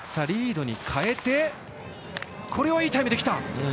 リードに変えていいタイムできた。